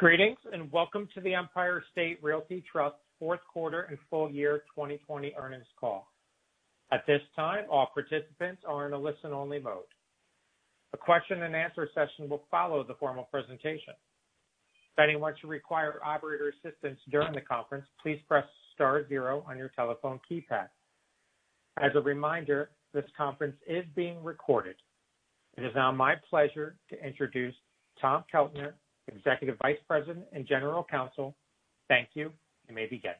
Greetings, and Welcome to the Empire State Realty Trust fourth-quarter and full-year 2020 earnings call. At this time all participants are in a listen-only mode. The question and answer session will follow the formal presentation. If anyone should require operator assistance during the conference, please press star zero on your telephone keypad. As a reminder, this conference is being recorded. It is now my pleasure to introduce Tom Keltner, Executive Vice President and General Counsel. Thank you. You may begin.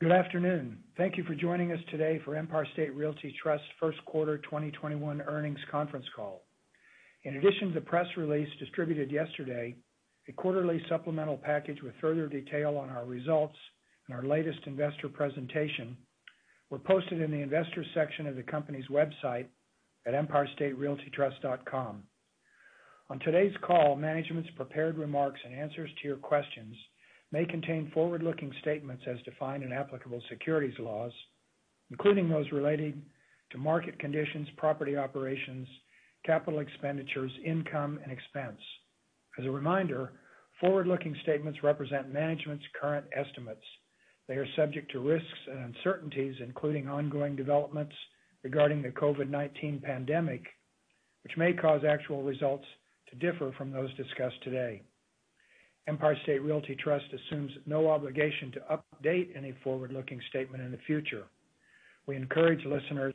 Good afternoon. Thank you for joining us today for Empire State Realty Trust first quarter 2021 earnings conference call. In addition to the press release distributed yesterday, a quarterly supplemental package with further detail on our results and our latest investor presentation were posted in the Investors section of the company's website at empirestaterealtytrust.com. On today's call, management's prepared remarks and answers to your questions may contain forward-looking statements as defined in applicable securities laws, including those relating to market conditions, property operations, capital expenditures, income, and expense. As a reminder, forward-looking statements represent management's current estimates. They are subject to risks and uncertainties, including ongoing developments regarding the COVID-19 pandemic, which may cause actual results to differ from those discussed today. Empire State Realty Trust assumes no obligation to update any forward-looking statement in the future. We encourage listeners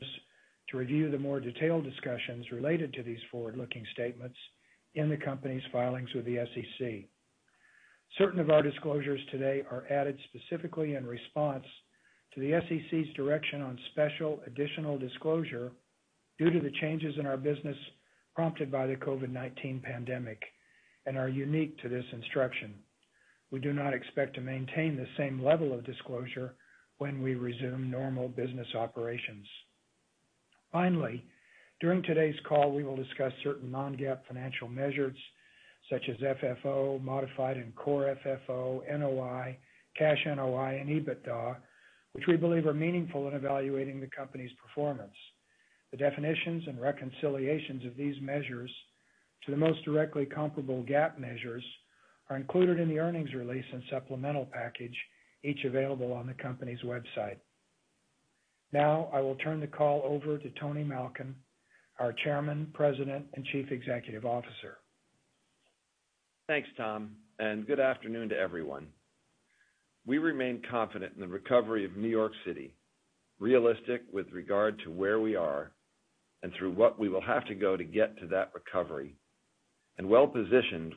to review the more detailed discussions related to these forward-looking statements in the company's filings with the SEC. Certain of our disclosures today are added specifically in response to the SEC's direction on special additional disclosure due to the changes in our business prompted by the COVID-19 pandemic and are unique to this instruction. We do not expect to maintain the same level of disclosure when we resume normal business operations. Finally, during today's call, we will discuss certain non-GAAP financial measures such as FFO, modified and core FFO, NOI, cash NOI, and EBITDA, which we believe are meaningful in evaluating the company's performance. The definitions and reconciliations of these measures to the most directly comparable GAAP measures are included in the earnings release and supplemental package, each available on the company's website. I will turn the call over to Tony Malkin, our Chairman, President, and Chief Executive Officer. Thanks, Tom, and good afternoon to everyone. We remain confident in the recovery of New York City, realistic with regard to where we are and through what we will have to go to get to that recovery, and well-positioned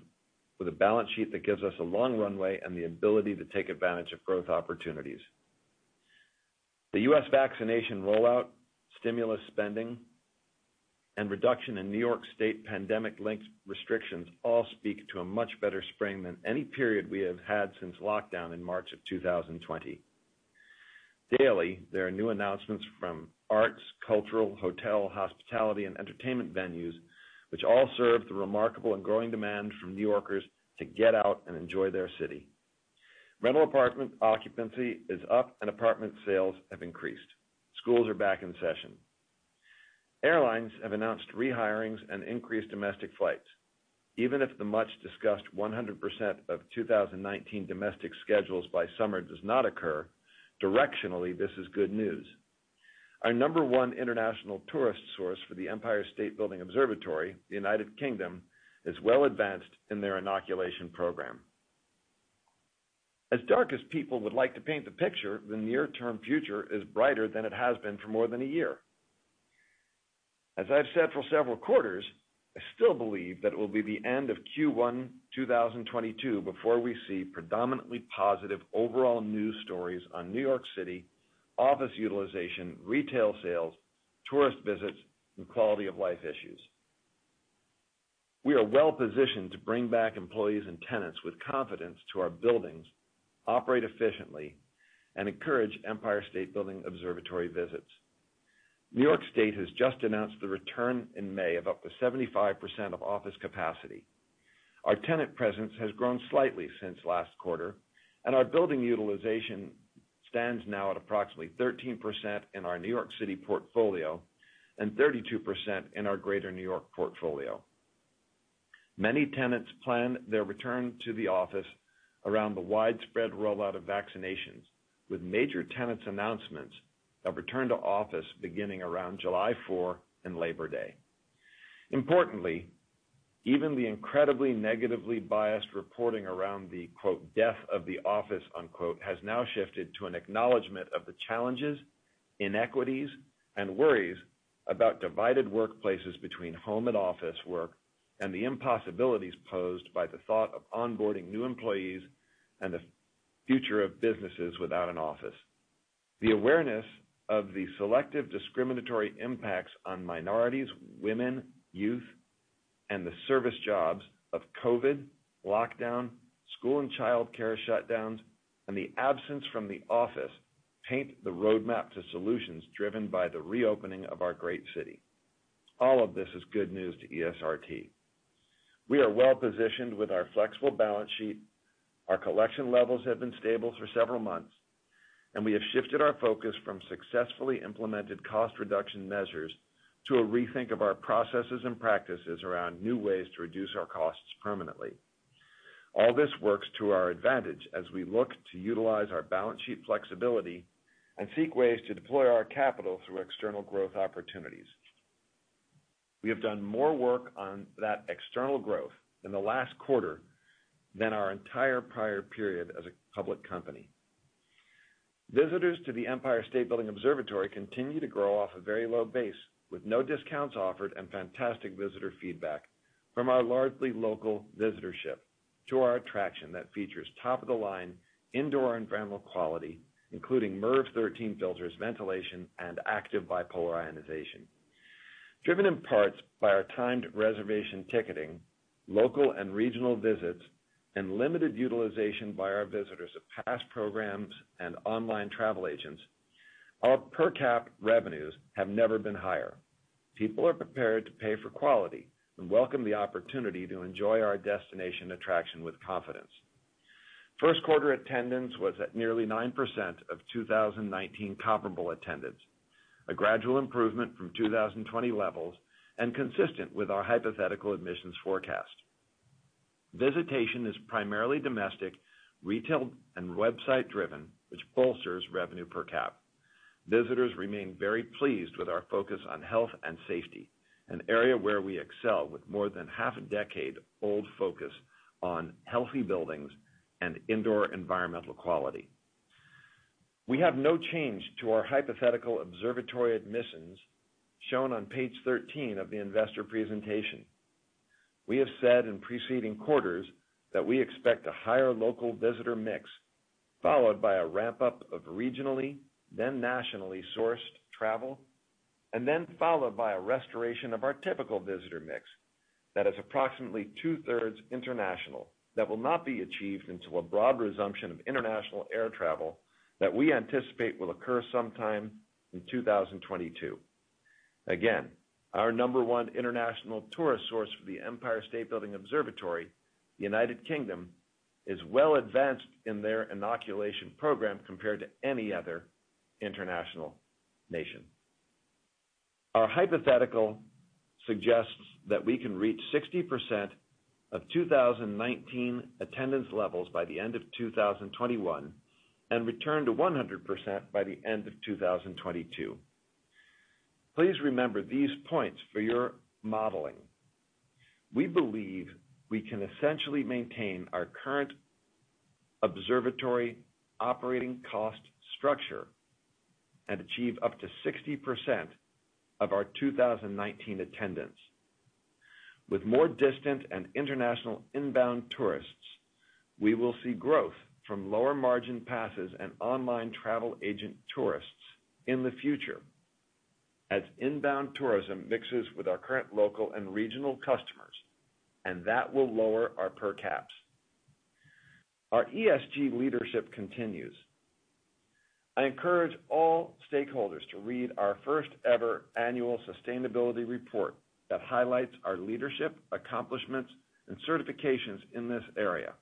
with a balance sheet that gives us a long runway and the ability to take advantage of growth opportunities. The U.S. vaccination rollout, stimulus spending, and reduction in New York State pandemic lengths restrictions all speak to a much better spring than any period we have had since lockdown in March of 2020. Daily, there are new announcements from arts, cultural, hotel, hospitality, and entertainment venues, which all serve the remarkable and growing demand from New Yorkers to get out and enjoy their city. Rental apartment occupancy is up, and apartment sales have increased. Schools are back in session. Airlines have announced rehirings and increased domestic flights. Even if the much-discussed 100% of 2019 domestic schedules by summer does not occur, directionally, this is good news. Our number one international tourist source for the Empire State Building Observatory, the United Kingdom, is well advanced in their inoculation program. As dark as people would like to paint the picture, the near-term future is brighter than it has been for more than a year. As I've said for several quarters, I still believe that it will be the end of Q1 2022 before we see predominantly positive overall news stories on New York City office utilization, retail sales, tourist visits, and quality of life issues. We are well-positioned to bring back employees and tenants with confidence to our buildings, operate efficiently, and encourage Empire State Building Observatory visits. New York State has just announced the return in May of up to 75% of office capacity. Our tenant presence has grown slightly since last quarter, and our building utilization stands now at approximately 13% in our New York City portfolio and 32% in our greater New York portfolio. Many tenants plan their return to the office around the widespread rollout of vaccinations, with major tenants announcements of return to office beginning around July 4 and Labor Day. Importantly, even the incredibly negatively biased reporting around the "death of the office" has now shifted to an acknowledgment of the challenges, inequities, and worries about divided workplaces between home and office work and the impossibilities posed by the thought of onboarding new employees and the future of businesses without an office. The awareness of the selective discriminatory impacts on minorities, women, youth, and the service jobs of COVID, lockdown, school and childcare shutdowns, and the absence from the office paint the roadmap to solutions driven by the reopening of our great city. All of this is good news to ESRT. We are well-positioned with our flexible balance sheet. Our collection levels have been stable for several months. We have shifted our focus from successfully implemented cost reduction measures to a rethink of our processes and practices around new ways to reduce our costs permanently. All this works to our advantage as we look to utilize our balance sheet flexibility and seek ways to deploy our capital through external growth opportunities. We have done more work on that external growth in the last quarter than our entire prior period as a public company. Visitors to the Empire State Building Observatory continue to grow off a very low base, with no discounts offered and fantastic visitor feedback from our largely local visitorship to our attraction that features top-of-the-line indoor environmental quality, including MERV 13 filters ventilation, and active bipolar ionization. Driven in parts by our timed reservation ticketing, local and regional visits, and limited utilization by our visitors of past programs and online travel agents, our per capita revenues have never been higher. People are prepared to pay for quality and welcome the opportunity to enjoy our destination attraction with confidence. First quarter attendance was at nearly 9% of 2019 comparable attendance, a gradual improvement from 2020 levels and consistent with our hypothetical admissions forecast. Visitation is primarily domestic, retail, and website-driven, which bolsters revenue per cap. Visitors remain very pleased with our focus on health and safety, an area where we excel with more than half a decade-old focus on healthy buildings and indoor environmental quality. We have no change to our hypothetical observatory admissions shown on page 13 of the investor presentation. We have said in preceding quarters that we expect a higher local visitor mix, followed by a ramp-up of regionally, then nationally sourced travel, and then followed by a restoration of our typical visitor mix that is approximately two-thirds international. That will not be achieved until a broad resumption of international air travel that we anticipate will occur sometime in 2022. Again, our number one international tourist source for the Empire State Building Observatory, the United Kingdom, is well advanced in their inoculation program compared to any other international nation. Our hypothetical suggests that we can reach 60% of 2019 attendance levels by the end of 2021 and return to 100% by the end of 2022. Please remember these points for your modeling. We believe we can essentially maintain our current observatory operating cost structure and achieve up to 60% of our 2019 attendance. With more distant and international inbound tourists, we will see growth from lower margin passes and online travel agent tourists in the future as inbound tourism mixes with our current local and regional customers, and that will lower our per caps. Our ESG leadership continues. I encourage all stakeholders to read our first-ever annual sustainability report that highlights our leadership, accomplishments, and certifications in this area.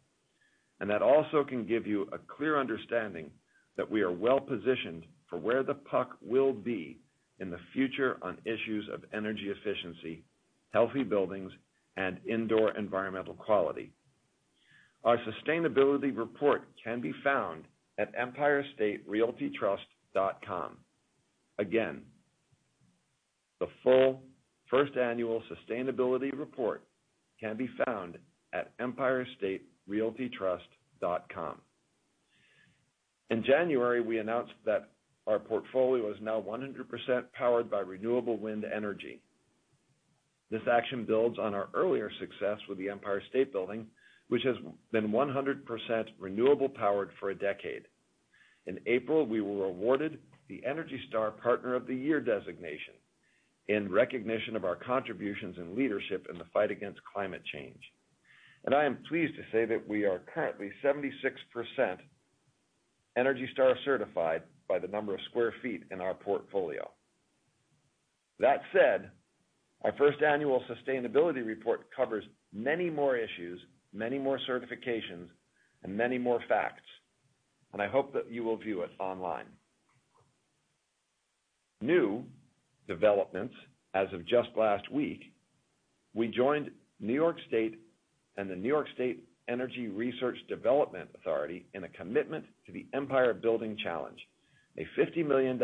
That also can give you a clear understanding that we are well-positioned for where the puck will be in the future on issues of energy efficiency, healthy buildings, and indoor environmental quality. Our sustainability report can be found at empirestaterealtytrust.com. Again, the full first annual sustainability report can be found at empirestaterealtytrust.com. In January, we announced that our portfolio is now 100% powered by renewable wind energy. This action builds on our earlier success with the Empire State Building, which has been 100% renewable powered for a decade. In April, we were awarded the ENERGY STAR Partner of the Year designation in recognition of our contributions and leadership in the fight against climate change. I am pleased to say that we are currently 76% ENERGY STAR certified by the number of square feet in our portfolio. That said, our first annual sustainability report covers many more issues, many more certifications, and many more facts, and I hope that you will view it online. New developments as of just last week, we joined New York State and the New York State Energy Research and Development Authority in a commitment to the Empire Building Challenge, a $50 million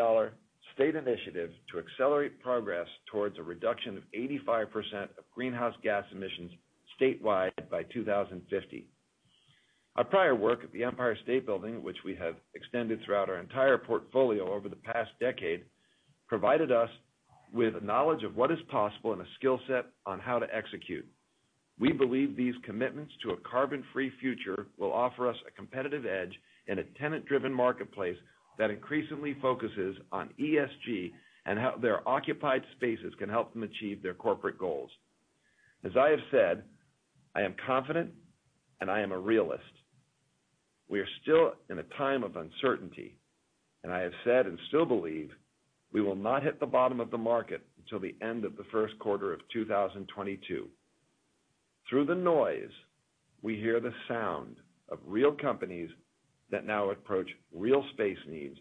state initiative to accelerate progress towards a reduction of 85% of greenhouse gas emissions statewide by 2050. Our prior work at the Empire State Building, which we have extended throughout our entire portfolio over the past decade, provided us with knowledge of what is possible and a skill set on how to execute. We believe these commitments to a carbon-free future will offer us a competitive edge in a tenant-driven marketplace that increasingly focuses on ESG and how their occupied spaces can help them achieve their corporate goals. As I have said, I am confident, and I am a realist. We are still in a time of uncertainty, and I have said and still believe we will not hit the bottom of the market until the end of the first quarter of 2022. Through the noise, we hear the sound of real companies that now approach real space needs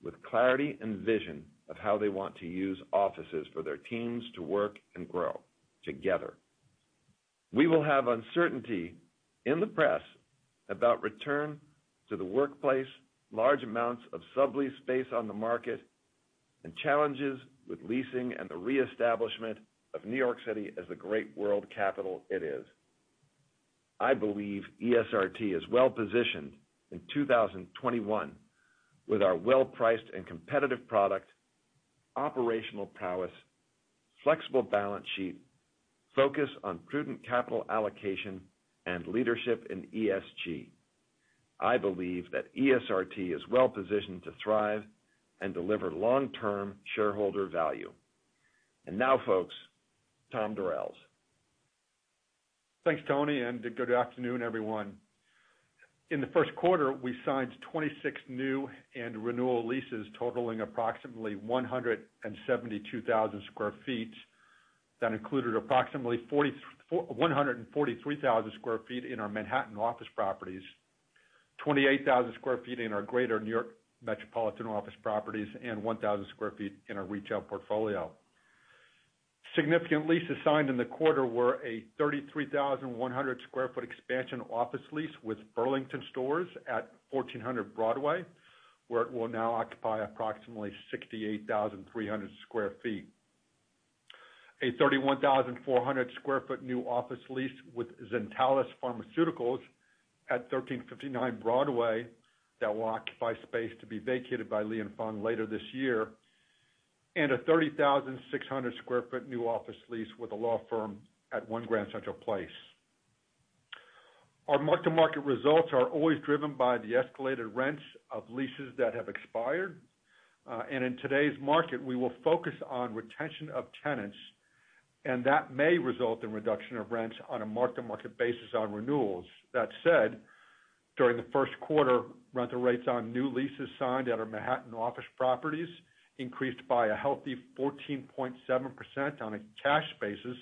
with clarity and vision of how they want to use offices for their teams to work and grow together. We will have uncertainty in the press about return to the workplace, large amounts of sublease space on the market, and challenges with leasing and the reestablishment of New York City as the great world capital it is. I believe ESRT is well positioned in 2021 with our well-priced and competitive product, operational prowess, flexible balance sheet, focus on prudent capital allocation, and leadership in ESG. I believe that ESRT is well positioned to thrive and deliver long-term shareholder value. Now, folks, Tom Durels. Thanks, Tony. Good afternoon, everyone. In the first quarter, we signed 26 new and renewal leases totaling approximately 172,000 sq ft that included approximately 143,000 sq ft in our Manhattan office properties, 28,000 sq ft in our greater New York metropolitan office properties, and 1,000 sq ft in our retail portfolio. Significant leases signed in the quarter were a 33,100 sq ft expansion office lease with Burlington Stores at 1400 Broadway, where it will now occupy approximately 68,300 sq ft. A 31,400 sq ft new office lease with Zentalis Pharmaceuticals at 1359 Broadway that will occupy space to be vacated by Li & Fung later this year, and a 30,600 sq ft new office lease with a law firm at One Grand Central Place. Our mark-to-market results are always driven by the escalated rents of leases that have expired. In today's market, we will focus on retention of tenants, and that may result in reduction of rents on a mark-to-market basis on renewals. That said, during the first quarter, rental rates on new leases signed at our Manhattan office properties increased by a healthy 14.7% on a cash basis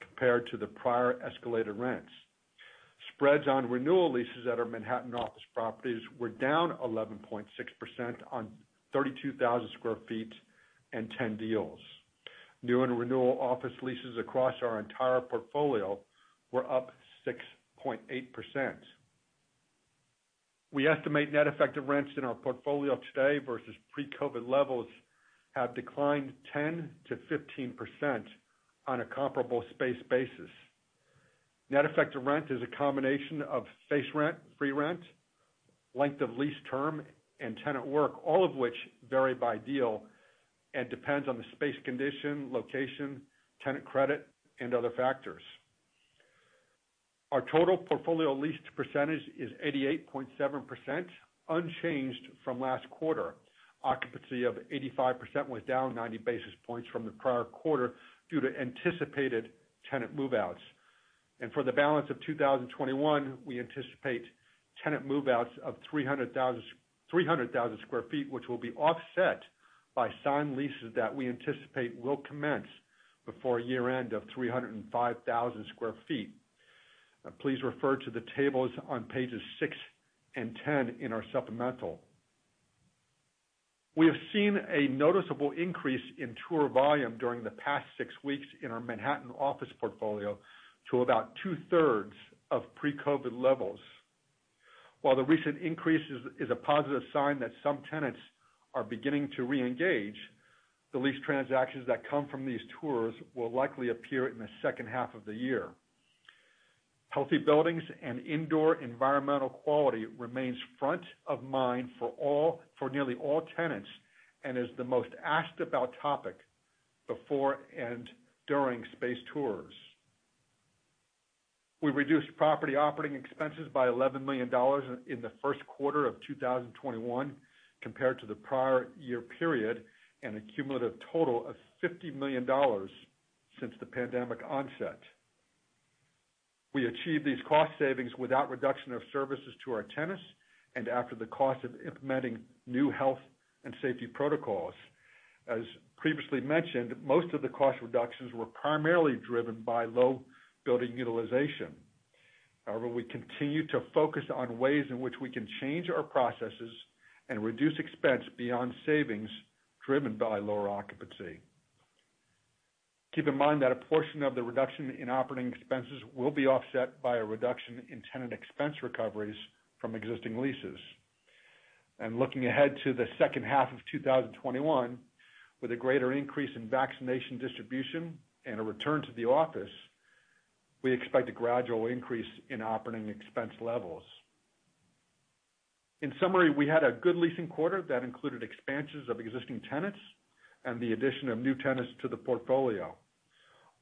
compared to the prior escalated rents. Spreads on renewal leases at our Manhattan office properties were down 11.6% on 32,000 sq ft and 10 deals. New and renewal office leases across our entire portfolio were up 6.8%. We estimate net effective rents in our portfolio today versus pre-COVID levels have declined 10%-15% on a comparable space basis. Net effective rent is a combination of space rent, free rent, length of lease term, and tenant work, all of which vary by deal and depends on the space condition, location, tenant credit, and other factors. Our total portfolio leased percentage is 88.7%, unchanged from last quarter. Occupancy of 85% was down 90 basis points from the prior quarter due to anticipated tenant move-outs. For the balance of 2021, we anticipate tenant move-outs of 300,000 square feet, which will be offset by signed leases that we anticipate will commence before year-end of 305,000 square feet. Please refer to the tables on pages six and ten in our supplemental. We have seen a noticeable increase in tour volume during the past six weeks in our Manhattan office portfolio to about two-thirds of pre-COVID-19 levels. While the recent increase is a positive sign that some tenants are beginning to reengage, the lease transactions that come from these tours will likely appear in the second half of the year. Healthy buildings and indoor environmental quality remains front of mind for nearly all tenants and is the most asked about topic before and during space tours. We reduced property operating expenses by $11 million in the first quarter of 2021 compared to the prior year period and a cumulative total of $50 million since the pandemic onset. We achieved these cost savings without reduction of services to our tenants and after the cost of implementing new health and safety protocols. As previously mentioned, most of the cost reductions were primarily driven by low building utilization. We continue to focus on ways in which we can change our processes and reduce expense beyond savings driven by lower occupancy. Keep in mind that a portion of the reduction in operating expenses will be offset by a reduction in tenant expense recoveries from existing leases. Looking ahead to the second half of 2021, with a greater increase in vaccination distribution and a return to the office, we expect a gradual increase in operating expense levels. In summary, we had a good leasing quarter that included expansions of existing tenants and the addition of new tenants to the portfolio.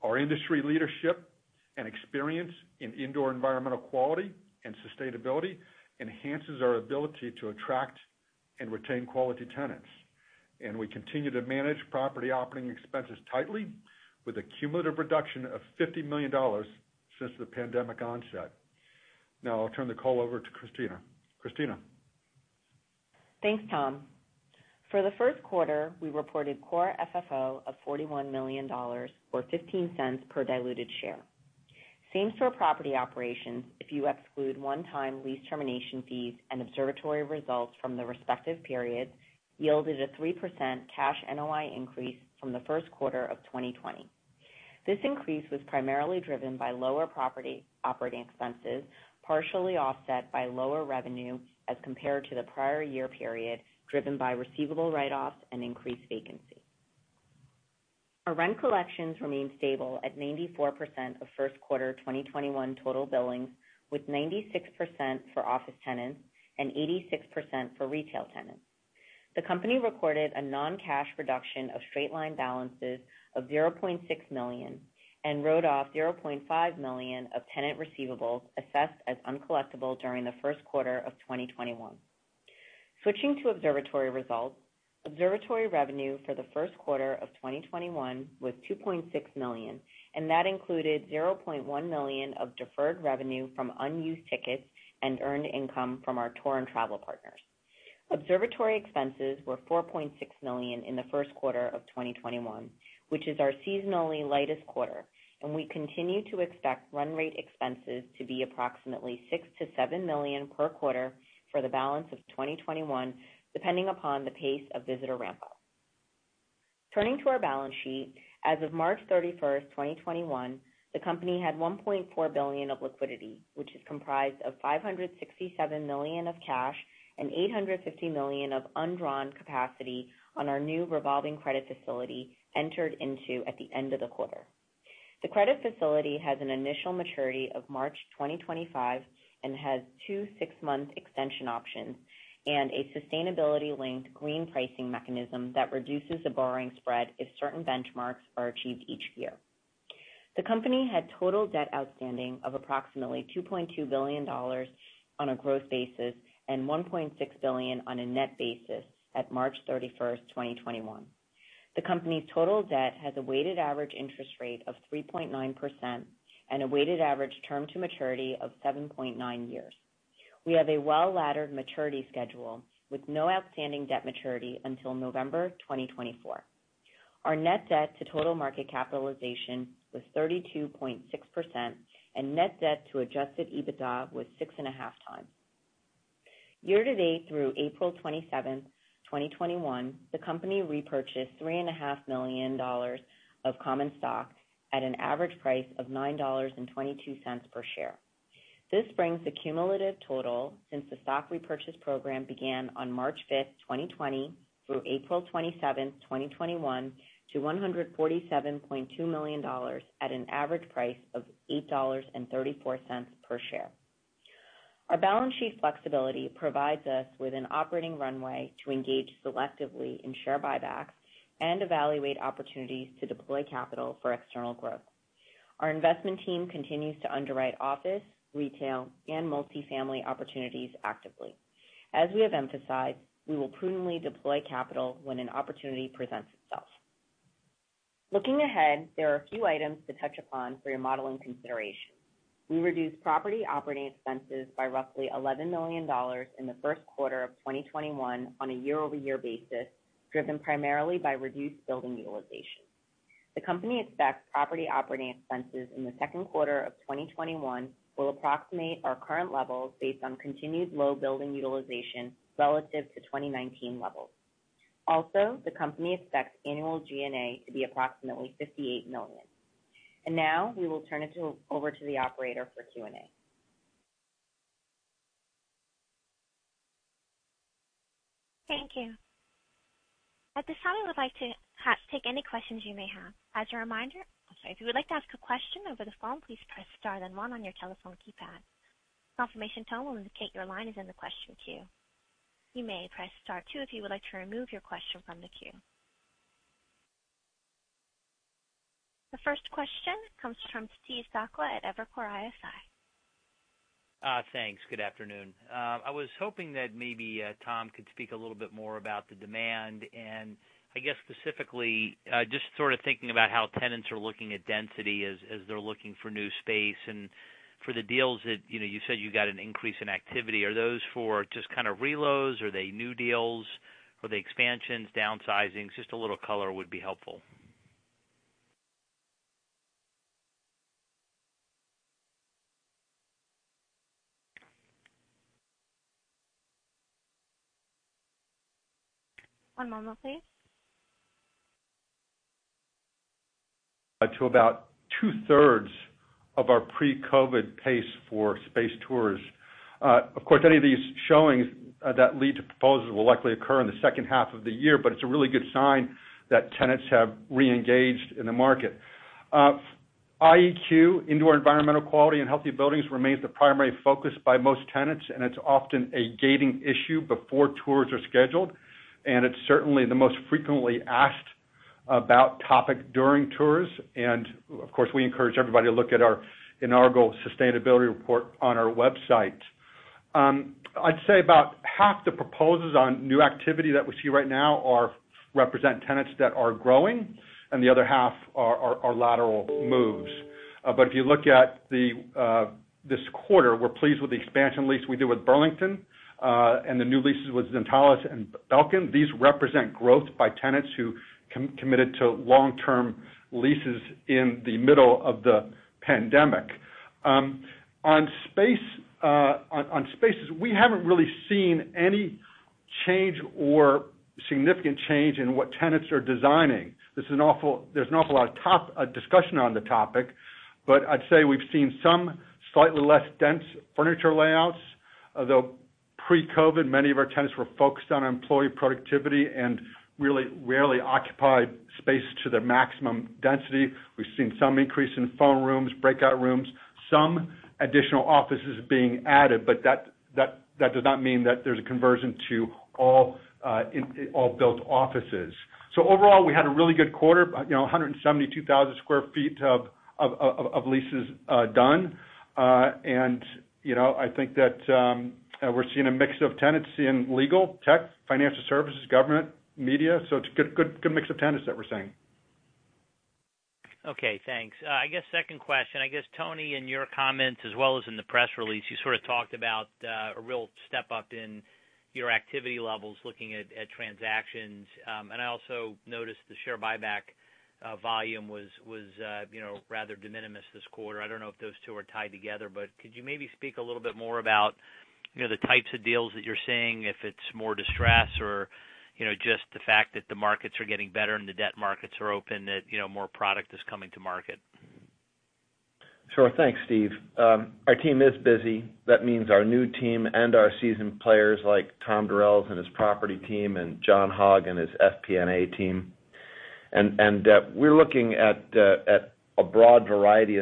Our industry leadership and experience in indoor environmental quality and sustainability enhances our ability to attract and retain quality tenants. We continue to manage property operating expenses tightly with a cumulative reduction of $50 million since the pandemic onset. Now I'll turn the call over to Christina. Christina? Thanks, Tom. For the first quarter, we reported core FFO of $41 million or $0.15 per diluted share. Same-store property operations, if you exclude one-time lease termination fees and observatory results from the respective periods, yielded a 3% cash NOI increase from the first quarter of 2020. This increase was primarily driven by lower property operating expenses, partially offset by lower revenue as compared to the prior year period, driven by receivable write-offs and increased vacancy. Our rent collections remained stable at 94% of first quarter 2021 total billings, with 96% for office tenants and 86% for retail tenants. The company recorded a non-cash reduction of straight-line balances of $0.6 million and wrote off $0.5 million of tenant receivables assessed as uncollectible during the first quarter of 2021. Switching to Observatory results, Observatory revenue for the first quarter of 2021 was $2.6 million. That included $0.1 million of deferred revenue from unused tickets and earned income from our tour and travel partners. Observatory expenses were $4.6 million in the first quarter of 2021, which is our seasonally lightest quarter. We continue to expect run rate expenses to be approximately $6 million-$7 million per quarter for the balance of 2021, depending upon the pace of visitor ramp-up. Turning to our balance sheet, as of March 31st, 2021, the company had $1.4 billion of liquidity, which is comprised of $567 million of cash and $850 million of undrawn capacity on our new revolving credit facility entered into at the end of the quarter. The credit facility has an initial maturity of March 2025 and has two six-month extension options and a sustainability-linked green pricing mechanism that reduces the borrowing spread if certain benchmarks are achieved each year. The company had total debt outstanding of approximately $2.2 billion on a gross basis and $1.6 billion on a net basis at March 31st, 2021. The company's total debt has a weighted average interest rate of 3.9% and a weighted average term to maturity of 7.9 years. We have a well-laddered maturity schedule with no outstanding debt maturity until November 2024. Our net debt to total market capitalization was 32.6%, and net debt to adjusted EBITDA was six and a half times. Year-to-date through April 27th, 2021, the company repurchased $3.5 million of common stock at an average price of $9.22 per share. This brings the cumulative total since the stock repurchase program began on March 5th, 2020, through April 27th, 2021, to $147.2 million at an average price of $8.34 per share. Our balance sheet flexibility provides us with an operating runway to engage selectively in share buybacks and evaluate opportunities to deploy capital for external growth. Our investment team continues to underwrite office, retail, and multifamily opportunities actively. As we have emphasized, we will prudently deploy capital when an opportunity presents itself. Looking ahead, there are a few items to touch upon for your modeling consideration. We reduced property operating expenses by roughly $11 million in Q1 2021 on a year-over-year basis, driven primarily by reduced building utilization. The company expects property operating expenses in Q2 2021 will approximate our current levels based on continued low building utilization relative to 2019 levels. The company expects annual G&A to be approximately $58 million. Now, we will turn it over to the operator for Q&A. Thank you. At this time, we would like to take any questions you may have. I'm sorry. If you would like to ask a question over the phone, please press star then one on your telephone keypad. A confirmation tone will indicate your line is in the question queue. You may press star two if you would like to remove your question from the queue. The first question comes from Steve Sakwa at Evercore ISI. Thanks. Good afternoon. I was hoping that maybe Tom could speak a little bit more about the demand. I guess specifically, just sort of thinking about how tenants are looking at density as they're looking for new space and for the deals that you said you got an increase in activity. Are those for just kind of reloads? Are they new deals? Are they expansions, downsizings? Just a little color would be helpful. One moment, please. To about two-thirds of our pre-COVID-19 pace for space tours. Of course, any of these showings that lead to proposals will likely occur in the second half of the year, but it's a really good sign that tenants have re-engaged in the market. IEQ, indoor environmental quality in healthy buildings remains the primary focus by most tenants, and it's often a gating issue before tours are scheduled, and it's certainly the most frequently asked about topic during tours. Of course, we encourage everybody to look at our inaugural sustainability report on our website. I'd say about half the proposals on new activity that we see right now represent tenants that are growing, and the other half are lateral moves. If you look at this quarter, we're pleased with the expansion lease we did with Burlington, and the new leases with Zentalis and Belkin. These represent growth by tenants who committed to long-term leases in the middle of the pandemic. On spaces, we haven't really seen any change or significant change in what tenants are designing. There's an awful lot of discussion on the topic, but I'd say we've seen some slightly less dense furniture layouts, although pre-COVID, many of our tenants were focused on employee productivity and really rarely occupied space to their maximum density. We've seen some increase in phone rooms, breakout rooms, some additional offices being added, but that does not mean that there's a conversion to all built offices. Overall, we had a really good quarter, 172,000 sq ft of leases done. I think that we're seeing a mix of tenants in legal, tech, financial services, government, media. It's a good mix of tenants that we're seeing. Okay, thanks. I guess second question. I guess, Tony, in your comments as well as in the press release, you sort of talked about a real step up in your activity levels looking at transactions. I also noticed the share buyback volume was rather de minimis this quarter. I don't know if those two are tied together, but could you maybe speak a little bit more about the types of deals that you're seeing, if it's more distress or just the fact that the markets are getting better and the debt markets are open, that more product is coming to market? Sure. Thanks, Steve. Our team is busy. That means our new team and our seasoned players like Tom Durels and his property team, and John Hogg and his FP&A team. We're looking at a broad variety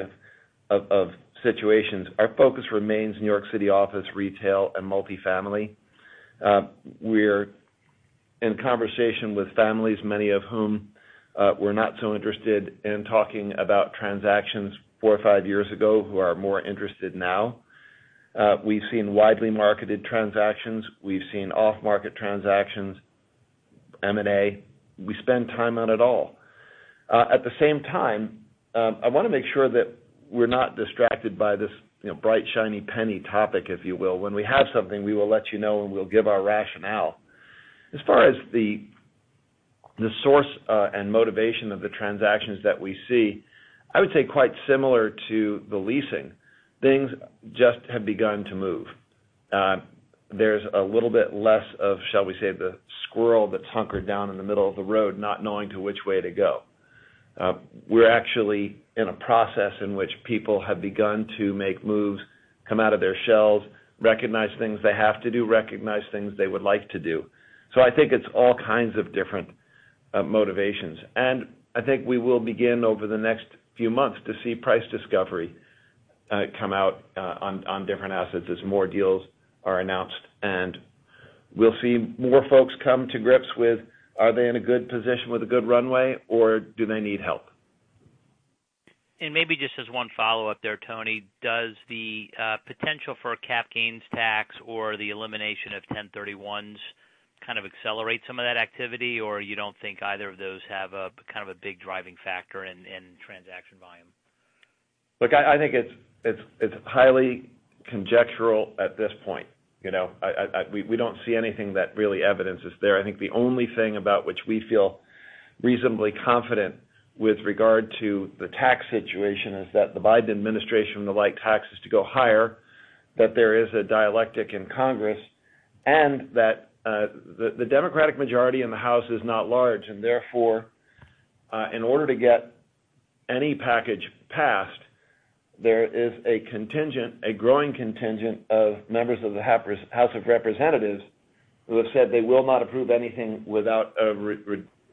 of situations. Our focus remains New York City office retail and multi-family. We're in conversation with families, many of whom were not so interested in talking about transactions four or five years ago, who are more interested now. We've seen widely marketed transactions. We've seen off-market transactions, M&A. We spend time on it all. At the same time, I want to make sure that we're not distracted by this bright, shiny penny topic, if you will. When we have something, we will let you know, and we'll give our rationale. As far as the source and motivation of the transactions that we see, I would say quite similar to the leasing. Things just have begun to move. There's a little bit less of, shall we say, the squirrel that's hunkered down in the middle of the road not knowing to which way to go. We're actually in a process in which people have begun to make moves, come out of their shells, recognize things they have to do, recognize things they would like to do. I think it's all kinds of different motivations. I think we will begin over the next few months to see price discovery come out on different assets as more deals are announced. We'll see more folks come to grips with are they in a good position with a good runway, or do they need help? Maybe just as one follow-up there, Tony, does the potential for a cap gains tax or the elimination of 1031s kind of accelerate some of that activity, or you don't think either of those have a kind of a big driving factor in transaction volume? Look, I think it's highly conjectural at this point. We don't see anything that really evidence is there. I think the only thing about which we feel reasonably confident with regard to the tax situation is that the Biden administration would like taxes to go higher, that there is a dialectic in Congress, and that the Democratic majority in the House is not large, and therefore, in order to get any package passed, there is a growing contingent of members of the House of Representatives who have said they will not approve anything without a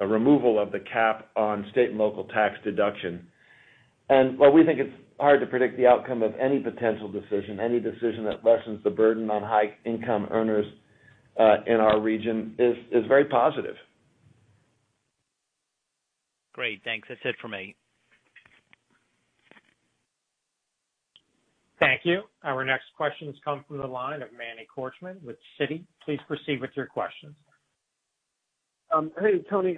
removal of the cap on state and local tax deduction. While we think it's hard to predict the outcome of any potential decision, any decision that lessens the burden on high income earners in our region is very positive. Great. Thanks. That's it for me. Thank you. Our next questions come from the line of Manny Korchman with Citi. Please proceed with your questions. Hey, Tony.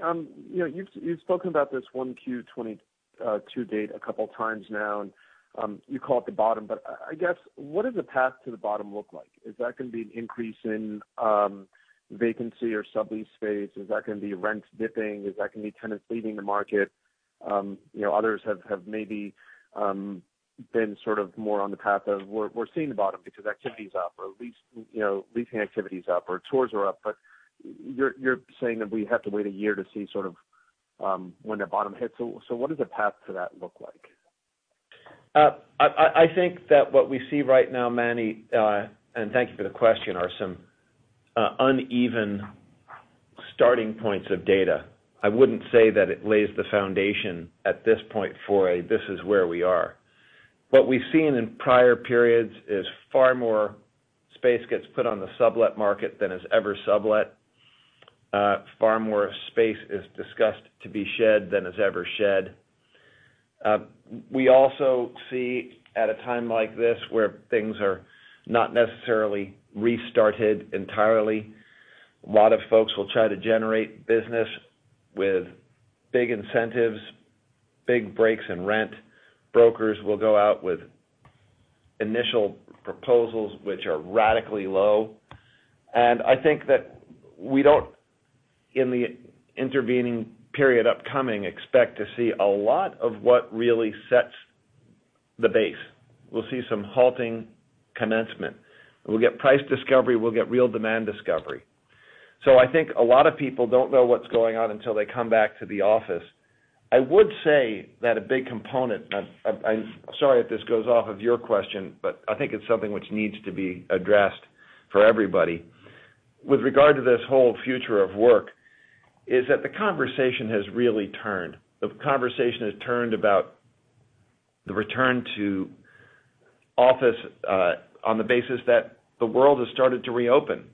You've spoken about this 1Q 2022 date a couple times now, and you call it the bottom, but I guess, what does the path to the bottom look like? Is that going to be an increase in vacancy or sublease space? Is that going to be rents dipping? Is that going to be tenants leaving the market? Others have maybe been sort of more on the path of we're seeing the bottom because activity's up, or leasing activity's up, or tours are up. You're saying that we have to wait a year to see sort of when that bottom hits. What does the path to that look like? I think that what we see right now, Manny, and thank you for the question, are some uneven starting points of data. I wouldn't say that it lays the foundation at this point for a, this is where we are. What we've seen in prior periods is far more space gets put on the sublet market than is ever sublet. Far more space is discussed to be shed than is ever shed. We also see at a time like this where things are not necessarily restarted entirely A lot of folks will try to generate business with big incentives, big breaks in rent. Brokers will go out with initial proposals which are radically low. I think that we don't, in the intervening period upcoming, expect to see a lot of what really sets the base. We'll see some halting commencement. We'll get price discovery, we'll get real demand discovery. I think a lot of people don't know what's going on until they come back to the office. I would say that a big component, I'm sorry if this goes off of your question, but I think it's something which needs to be addressed for everybody. With regard to this whole future of work, is that the conversation has really turned. The conversation has turned about the return to office, on the basis that the world has started to reopen.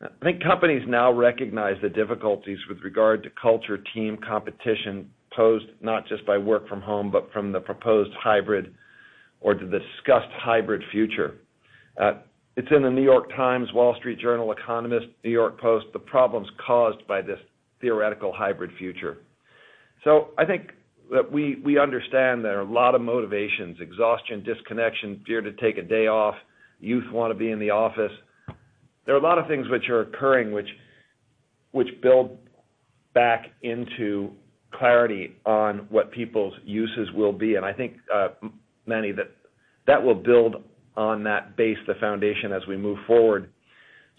I think companies now recognize the difficulties with regard to culture, team, competition, posed not just by work from home, but from the proposed hybrid or the discussed hybrid future. It's in The New York Times, The Wall Street Journal, The Economist, New York Post, the problems caused by this theoretical hybrid future. I think that we understand there are a lot of motivations, exhaustion, disconnection, fear to take a day off. Youth want to be in the office. There are a lot of things which are occurring, which build back into clarity on what people's uses will be. I think, Manny, that that will build on that base, the foundation, as we move forward.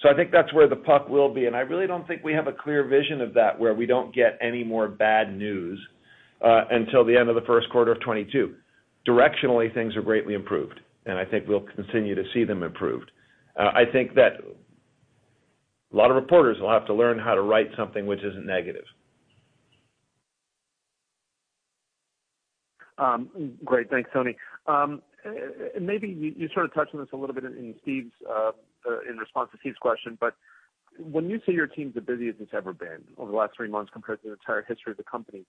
I think that's where the puck will be, and I really don't think we have a clear vision of that, where we don't get any more bad news, until the end of the first quarter of 2022. Directionally, things are greatly improved, and I think we'll continue to see them improved. I think that a lot of reporters will have to learn how to write something which isn't negative. Great. Thanks, Tony. Maybe you sort of touched on this a little bit in response to Steve's question, when you say your team's the busiest it's ever been over the last three months compared to the entire history of the company,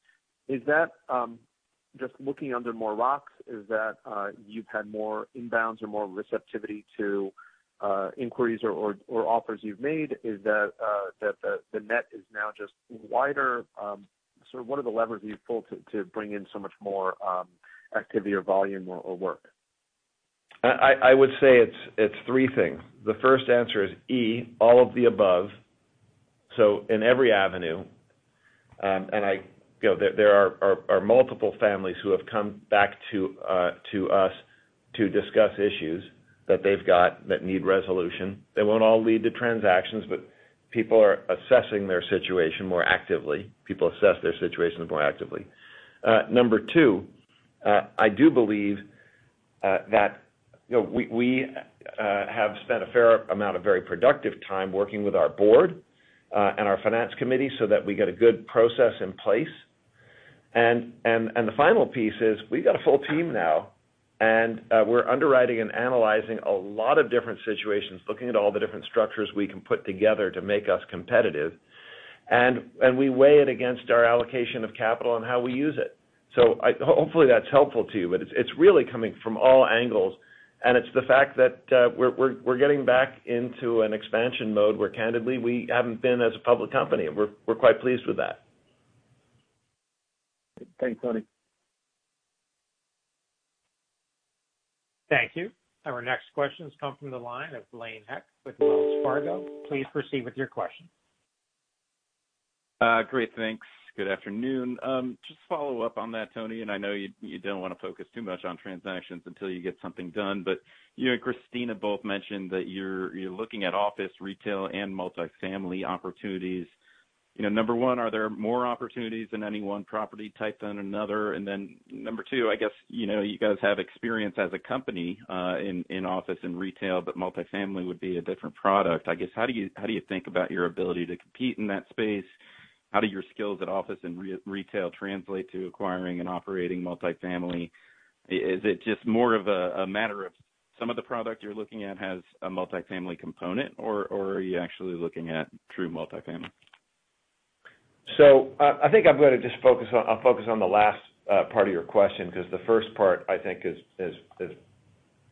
is that just looking under more rocks? Is that you've had more inbounds or more receptivity to inquiries or offers you've made? Is that the net is now just wider? Sort of what are the levers you've pulled to bring in so much more activity or volume or work? I would say it's three things. The first answer is E, all of the above. In every avenue, there are multiple families who have come back to us to discuss issues that they've got that need resolution. They won't all lead to transactions, but people are assessing their situation more actively. People assess their situations more actively. Number two, I do believe that we have spent a fair amount of very productive time working with our board, and our finance committee so that we get a good process in place. The final piece is we've got a full team now, and we're underwriting and analyzing a lot of different situations, looking at all the different structures we can put together to make us competitive. We weigh it against our allocation of capital and how we use it. Hopefully that's helpful to you, but it's really coming from all angles, and it's the fact that we're getting back into an expansion mode where candidly we haven't been as a public company, and we're quite pleased with that. Thanks, Tony. Thank you. Our next question comes from the line of Blaine Heck with Wells Fargo. Please proceed with your question. Great, thanks. Good afternoon. Just to follow up on that, Tony, and I know you don't want to focus too much on transactions until you get something done, but you and Christina both mentioned that you're looking at office, retail, and multifamily opportunities. Number one, are there more opportunities in any one property type than another? Number two, I guess, you guys have experience as a company, in office and retail, but multifamily would be a different product. I guess, how do you think about your ability to compete in that space? How do your skills at office and retail translate to acquiring and operating multifamily? Is it just more of a matter of some of the product you're looking at has a multifamily component, or are you actually looking at true multifamily? I think I'm going to just focus on the last part of your question, because the first part I think is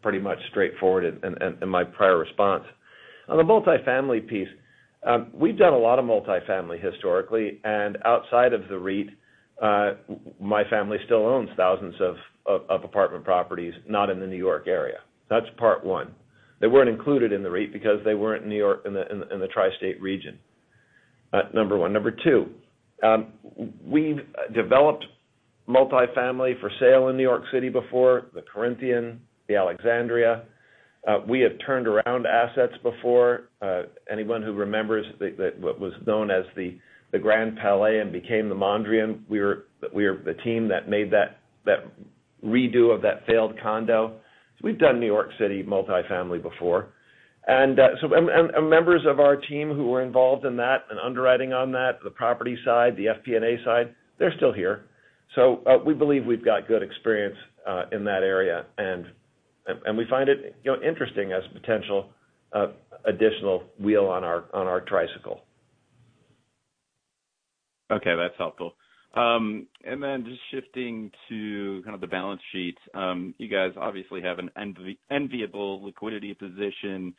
pretty much straightforward in my prior response. On the multifamily piece, we've done a lot of multifamily historically, and outside of the REIT, my family still owns thousands of apartment properties, not in the New York area. That's part one. They weren't included in the REIT because they weren't in the Tri-State region. Number one. Number two, we've developed multifamily for sale in New York City before, The Corinthian, The Alexandria. We have turned around assets before. Anyone who remembers what was known as the Grand Palais and became The Mondrian, we are the team that made that redo of that failed condo. We've done New York City multifamily before. Members of our team who were involved in that and underwriting on that, the property side, the FP&A side, they're still here. We believe we've got good experience in that area, and we find it interesting as a potential additional wheel on our tricycle. Okay, that's helpful. Then just shifting to the balance sheet. You guys obviously have an enviable liquidity position.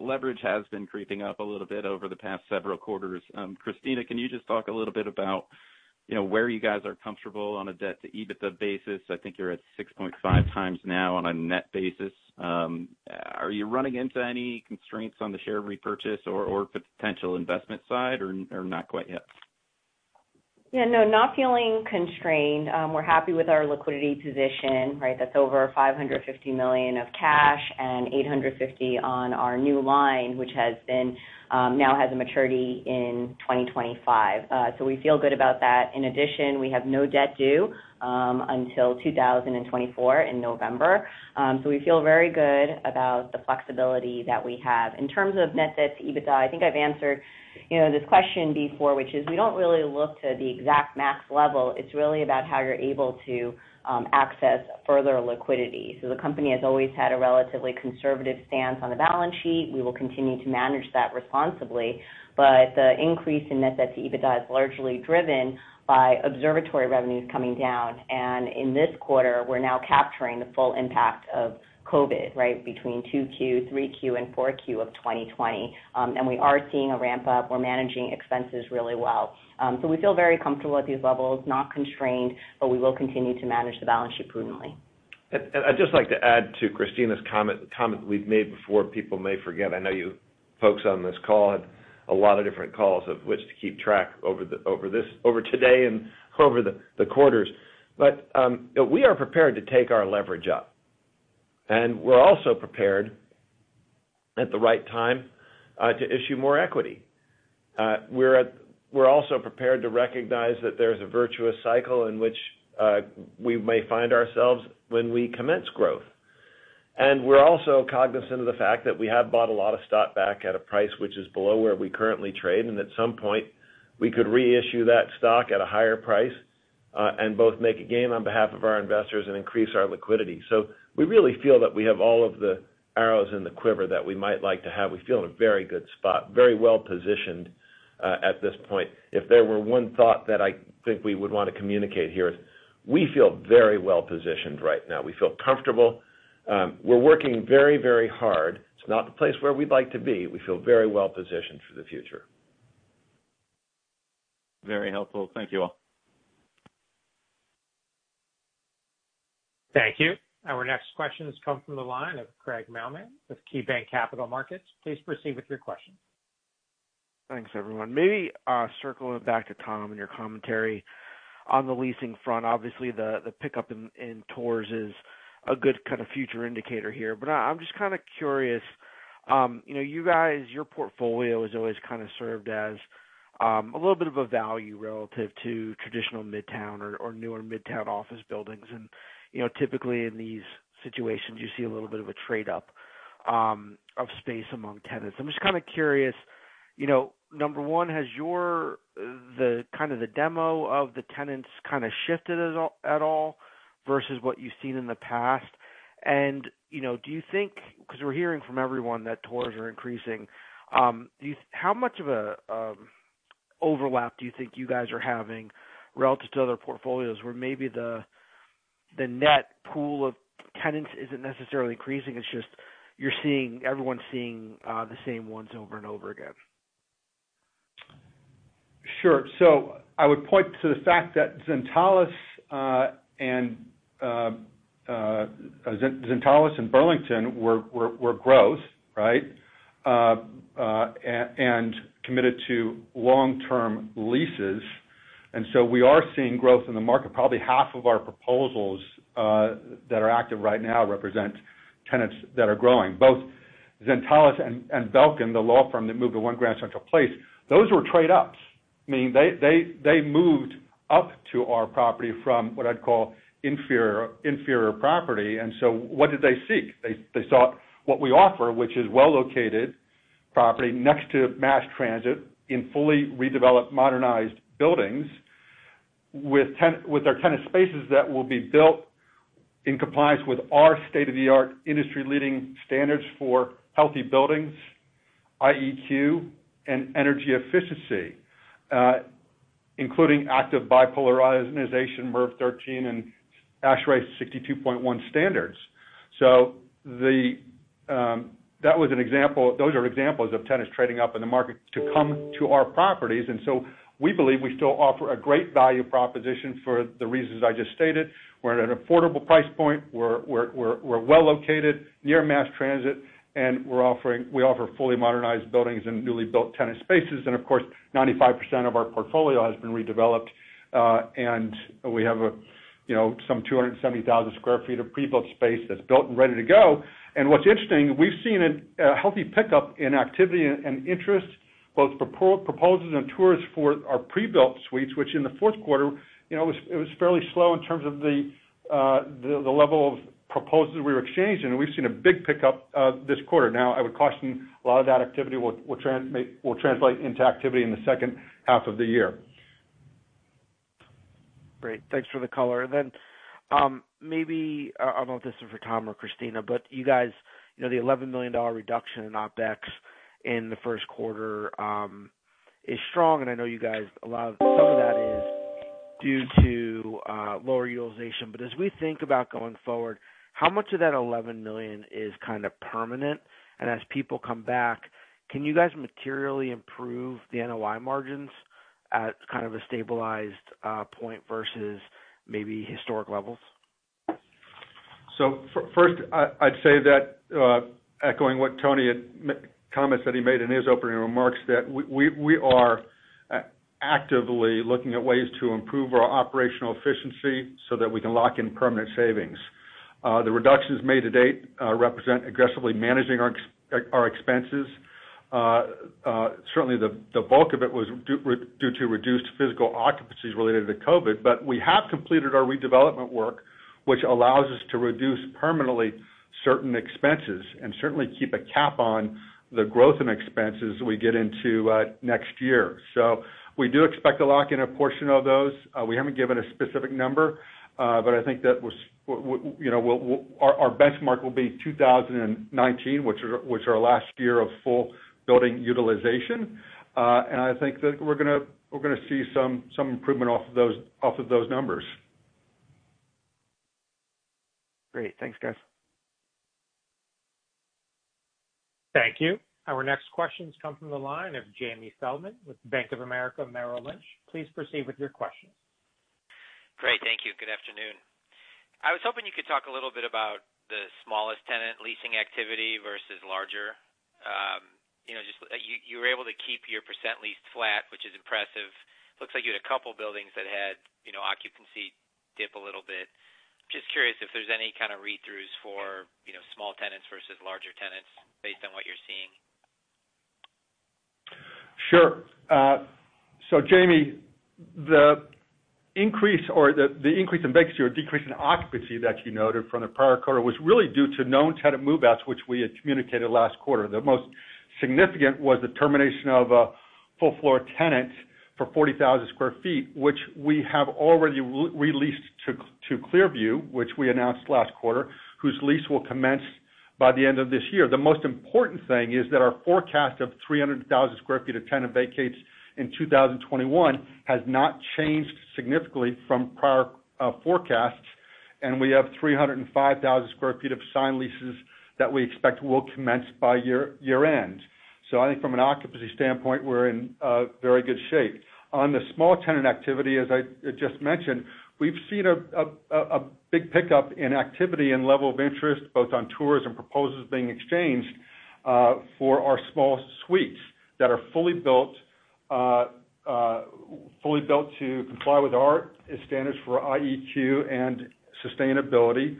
Leverage has been creeping up a little bit over the past several quarters. Christina, can you just talk a little bit about where you guys are comfortable on a debt to EBITDA basis? I think you're at 6.5x now on a net basis. Are you running into any constraints on the share repurchase or the potential investment side, or not quite yet? Yeah, no, not feeling constrained. We're happy with our liquidity position, right. That's over $550 million of cash and $850 million on our new line, which now has a maturity in 2025. We feel good about that. In addition, we have no debt due until 2024 in November. We feel very good about the flexibility that we have. In terms of net debt to EBITDA, I think I've answered this question before, which is, we don't really look to the exact max level. It's really about how you're able to access further liquidity. The company has always had a relatively conservative stance on the balance sheet. We will continue to manage that responsibly, but the increase in net debt to EBITDA is largely driven by Observatory revenues coming down. In this quarter, we're now capturing the full impact of COVID-19, right. Between 2Q, 3Q, and 4Q of 2020. We are seeing a ramp up. We are managing expenses really well. We feel very comfortable at these levels, not constrained, but we will continue to manage the balance sheet prudently. I'd just like to add to Christina's comment, a comment we've made before, people may forget. I know you folks on this call had a lot of different calls of which to keep track over today and over the quarters. We are prepared to take our leverage up, and we're also prepared at the right time to issue more equity. We're also prepared to recognize that there's a virtuous cycle in which we may find ourselves when we commence growth. We're also cognizant of the fact that we have bought a lot of stock back at a price which is below where we currently trade, and at some point, we could reissue that stock at a higher price, and both make a gain on behalf of our investors and increase our liquidity. We really feel that we have all of the arrows in the quiver that we might like to have. We feel in a very good spot, very well positioned at this point. If there were one thought that I think we would want to communicate here is, we feel very well positioned right now. We feel comfortable. We're working very hard. It's not the place where we'd like to be. We feel very well positioned for the future. Very helpful. Thank you all. Thank you. Our next question comes from the line of Craig Mailman with KeyBanc Capital Markets. Please proceed with your question. Thanks, everyone. Maybe circling back to Tom and your commentary on the leasing front. Obviously, the pickup in tours is a good kind of future indicator here. I'm just kind of curious. You guys, your portfolio has always kind of served as a little bit of a value relative to traditional Midtown or newer Midtown office buildings. Typically in these situations, you see a little bit of a trade-up of space among tenants. I'm just kind of curious, number one, has the kind of the demo of the tenants kind of shifted at all versus what you've seen in the past? Do you think, because we're hearing from everyone that tours are increasing, how much of an overlap do you think you guys are having relative to other portfolios where maybe the net pool of tenants isn't necessarily increasing, it's just everyone's seeing the same ones over and over again? Sure. I would point to the fact that Zentalis and Burlington were growth, right? And committed to long-term leases. And so we are seeing growth in the market. Probably half of our proposals that are active right now represent tenants that are growing. Both Zentalis and Belkin, the law firm that moved to One Grand Central Place, those were trade-ups. They moved up to our property from what I'd call inferior property. And so what did they seek? They sought what we offer, which is well-located property next to mass transit in fully redeveloped, modernized buildings with our tenant spaces that will be built in compliance with our state-of-the-art, industry leading standards for healthy buildings, IEQ, and energy efficiency including active bipolar ionization, MERV 13, and ASHRAE 62.1 standards. So those are examples of tenants trading up in the market to come to our properties. We believe we still offer a great value proposition for the reasons I just stated. We're at an affordable price point, we're well located near mass transit, and we offer fully modernized buildings and newly built tenant spaces. Of course, 95% of our portfolio has been redeveloped. We have some 270,000 square feet of pre-built space that's built and ready to go. What's interesting, we've seen a healthy pickup in activity and interest, both proposals and tours for our pre-built suites, which in the fourth quarter, it was fairly slow in terms of the level of proposals we were exchanging. We've seen a big pickup this quarter. Now, I would caution a lot of that activity will translate into activity in the second half of the year. Great. Thanks for the color. Maybe, I don't know if this is for Tom or Christina, but you guys, the $11 million reduction in OpEx in the first quarter is strong, and I know you guys, some of that is due to lower utilization. But as we think about going forward, how much of that $11 million is kind of permanent? And as people come back, can you guys materially improve the NOI margins at kind of a stabilized point versus maybe historic levels? First, I'd say that, echoing what Tony had comments that he made in his opening remarks, that we are actively looking at ways to improve our operational efficiency so that we can lock in permanent savings. The reductions made to date represent aggressively managing our expenses. Certainly the bulk of it was due to reduced physical occupancies related to COVID, we have completed our redevelopment work, which allows us to reduce permanently certain expenses and certainly keep a cap on the growth in expenses we get into next year. We do expect to lock in a portion of those. We haven't given a specific number, I think that our benchmark will be 2019, which was our last year of full building utilization. I think that we're going to see some improvement off of those numbers. Great. Thanks, guys. Thank you. Our next questions come from the line of Jamie Feldman with Bank of America Merrill Lynch. Please proceed with your questions. Great. Thank you. Good afternoon. I was hoping you could talk a little bit about the smallest tenant leasing activity versus larger. You were able to keep your percent lease flat, which is impressive. Looks like you had a couple buildings that had occupancy dip a little bit. Just curious if there's any kind of read-throughs for small tenants versus larger tenants based on what you're seeing. Sure. Jamie, the increase in vacancy or decrease in occupancy that you noted from the prior quarter was really due to known tenant move-outs, which we had communicated last quarter. The most significant was the termination of a full floor tenant for 40,000 sq ft, which we have already re-leased to Clearview, which we announced last quarter, whose lease will commence by the end of this year. The most important thing is that our forecast of 300,000 square feet of tenant vacates in 2021 has not changed significantly from prior forecasts, and we have 305,000 sq ft of signed leases that we expect will commence by year end. I think from an occupancy standpoint, we're in very good shape. On the small tenant activity, as I just mentioned, we've seen a big pickup in activity and level of interest, both on tours and proposals being exchanged for our small suites that are fully built to comply with our standards for IEQ and sustainability.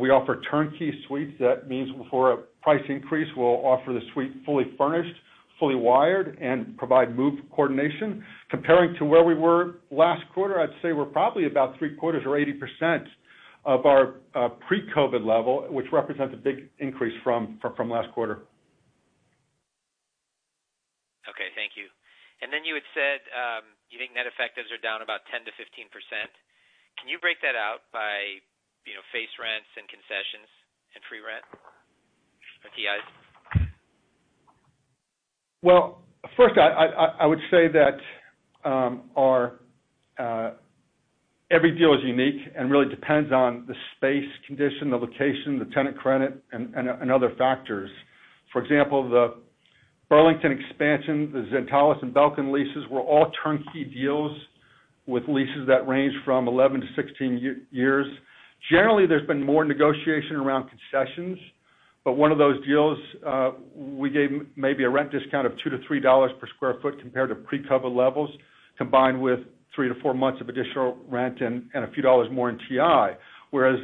We offer turnkey suites. That means for a price increase, we'll offer the suite fully furnished, fully wired, and provide move coordination. Comparing to where we were last quarter, I'd say we're probably about three quarters or 80% of our pre-COVID level, which represents a big increase from last quarter. Okay. Thank you. You had said you think net effectives are down about 10%-15%. Can you break that out by face rents and concessions and free rent or TIs? First I would say that every deal is unique and really depends on the space condition, the location, the tenant credit, and other factors. For example, the Burlington expansion, the Zentalis, and Belkin leases were all turnkey deals with leases that range from 11 to 16 years. Generally, there's been more negotiation around concessions. One of those deals we gave maybe a rent discount of $2-$3 per square foot compared to pre-COVID levels, combined with three to four months of additional rent and a few dollars more in TI. Whereas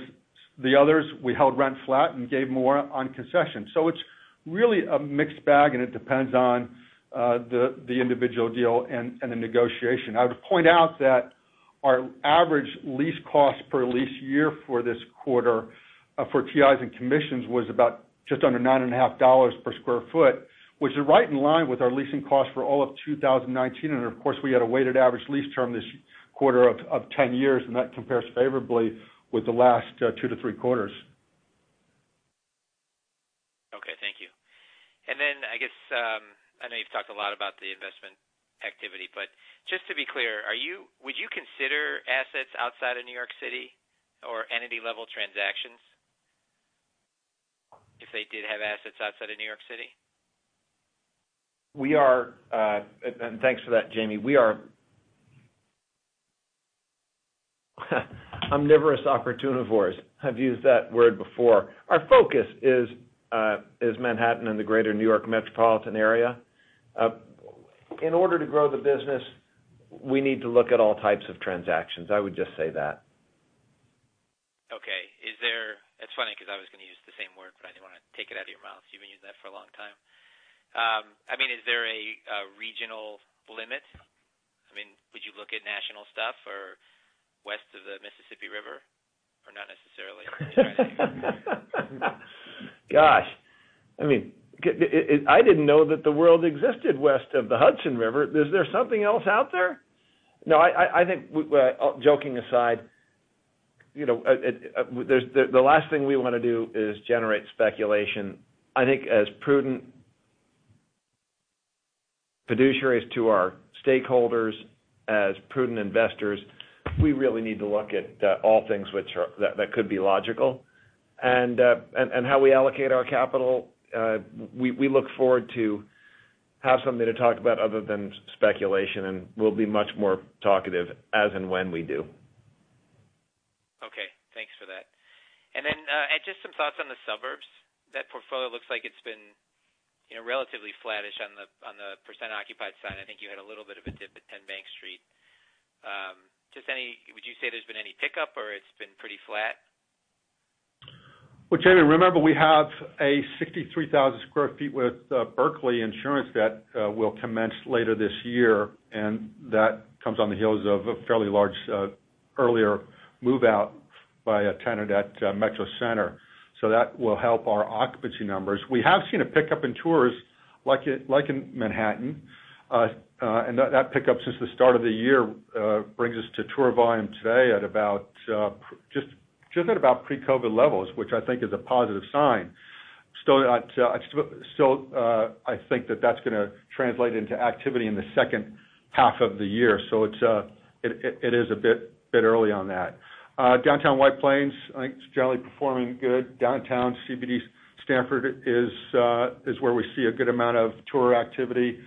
the others, we held rent flat and gave more on concessions. It's really a mixed bag, and it depends on the individual deal and the negotiation. I would point out that our average lease cost per lease year for this quarter for TIs and commissions was about just under $9.50 per square foot, which is right in line with our leasing cost for all of 2019. Of course, we had a weighted average lease term this quarter of 10 years, and that compares favorably with the last two to three quarters. Okay. Thank you. I guess, I know you've talked a lot about the investment activity, just to be clear, would you consider assets outside of New York City or entity-level transactions if they did have assets outside of New York City? Thanks for that, Jamie. We are omnivorous opportunivores. I've used that word before. Our focus is Manhattan and the greater New York metropolitan area. In order to grow the business, we need to look at all types of transactions. I would just say that. Okay. It's funny because I was going to use the same word, but I didn't want to take it out of your mouth, you've been using that for a long time. Is there a regional limit? Would you look at national stuff or west of the Mississippi River, or not necessarily? Gosh, I didn't know that the world existed west of the Hudson River. Is there something else out there? I think, joking aside, the last thing we want to do is generate speculation. I think as prudent fiduciaries to our stakeholders, as prudent investors, we really need to look at all things that could be logical, and how we allocate our capital. We look forward to have something to talk about other than speculation, and we'll be much more talkative as and when we do. Okay. Thanks for that. Just some thoughts on the suburbs. That portfolio looks like it's been relatively flattish on the percent occupied side. I think you had a little bit of a dip at 10 Bank Street. Would you say there's been any pickup, or it's been pretty flat? Well, Jamie, remember we have a 63,000 sq ft with Berkley Insurance that will commence later this year, that comes on the heels of a fairly large earlier move-out by a tenant at Metro Center. That will help our occupancy numbers. We have seen a pickup in tours like in Manhattan. That pickup since the start of the year brings us to tour volume today just at about pre-COVID levels, which I think is a positive sign. I think that that's going to translate into activity in the second half of the year. It is a bit early on that. Downtown White Plains, I think it's generally performing good. Downtown CBD Stamford is where we see a good amount of tour activity.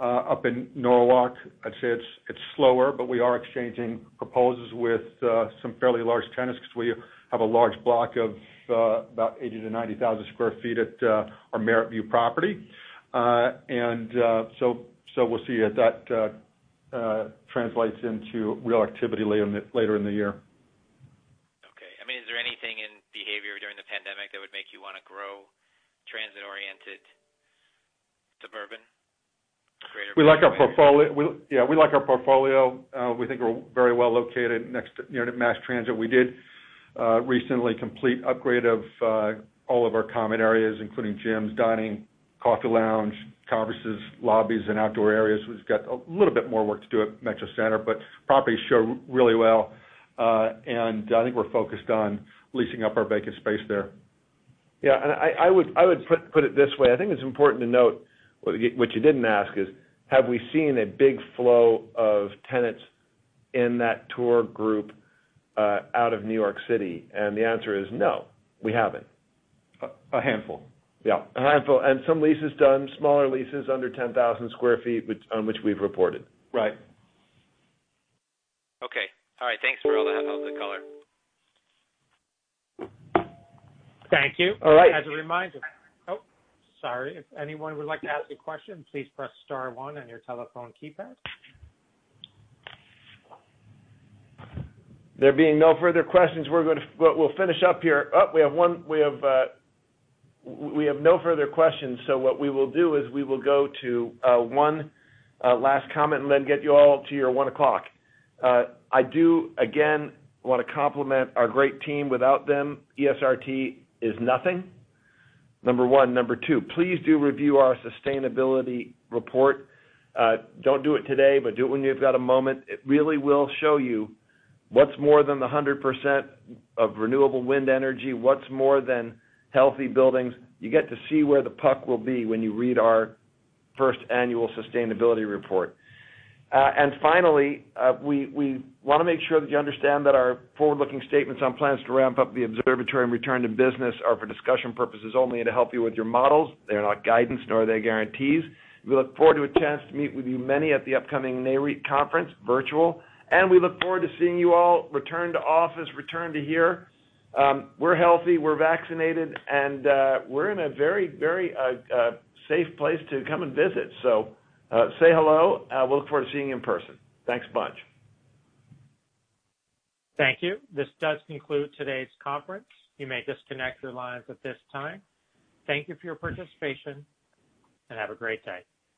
Up in Norwalk, I'd say it's slower, but we are exchanging proposals with some fairly large tenants because we have a large block of about 80,000 to 90,000 sq ft at our MerrittView property. We'll see if that translates into real activity later in the year. Okay. Is there anything in behavior during the pandemic that would make you want to grow transit-oriented suburban? Yeah. We like our portfolio. We think we're very well located next to mass transit. We did recently complete upgrade of all of our common areas, including gyms, dining, coffee lounge, conferences, lobbies, and outdoor areas. We've got a little bit more work to do at Metro Center. Properties show really well. I think we're focused on leasing up our vacant space there. Yeah, I would put it this way. I think it's important to note what you didn't ask is, have we seen a big flow of tenants in that tour group out of New York City? The answer is no. We haven't. A handful. Yeah, a handful. Some leases done, smaller leases under 10,000 sq ft, on which we've reported. Right. Okay. All right. Thanks for all the helpful color. Thank you. All right. As a reminder. If anyone would like to ask a question, please press star one on your telephone keypad. There being no further questions, we'll finish up here. We have no further questions. What we will do is we will go to one last comment and then get you all to your 1:00 P.M. I do, again, want to compliment our great team. Without them, ESRT is nothing, number one. Number two, please do review our sustainability report. Don't do it today. Do it when you've got a moment. It really will show you what's more than 100% of renewable wind energy, what's more than healthy buildings. You get to see where the puck will be when you read our first annual sustainability report. Finally, we want to make sure that you understand that our forward-looking statements on plans to ramp up the Observatory and return to business are for discussion purposes only and to help you with your models. They are not guidance, nor are they guarantees. We look forward to a chance to meet with you Manny at the upcoming NAREIT conference, virtual. We look forward to seeing you all return to office, return to here. We're healthy, we're vaccinated, and we're in a very safe place to come and visit. Say hello. We look forward to seeing you in person. Thanks a bunch. Thank you. This does conclude today's conference. You may disconnect your lines at this time. Thank you for your participation, and have a great day.